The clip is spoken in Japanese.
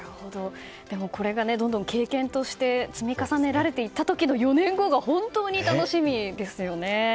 これがどんどん経験として積み重ねられていった時の４年後が本当に楽しみですよね。